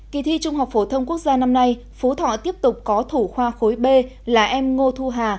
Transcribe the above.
kỳ thi trung học phổ thông quốc gia năm nay phú thọ tiếp tục có thủ khoa khối b là em ngô thu hà